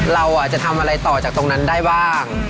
เราจะทำอะไรต่อจากตรงนั้นได้บ้าง